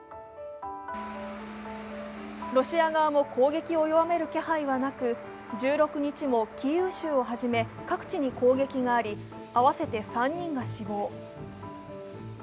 ロシア側も攻撃を弱める気配はなく１６日もキーウ州をはじめ各地に攻撃があり合わせて３人が死亡。